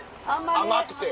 甘くて。